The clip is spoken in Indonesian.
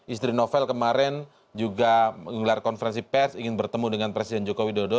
istri novel kemarin juga menggelar konferensi pers ingin bertemu dengan presiden joko widodo